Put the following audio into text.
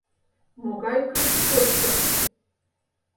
Могай крыс кочкын?